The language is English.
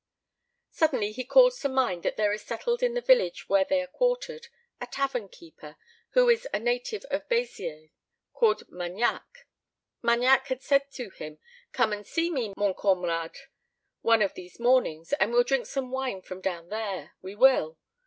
Suddenly he calls to mind that there is settled in the village where they are quartered a tavern keeper who is a native of Beziers, called Magnac. Magnac had said to him, "Come and see me, mon camarade, one of these mornings, and we'll drink some wine from down there, we will!